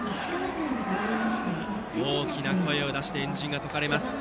大きな声を出して円陣が解かれます。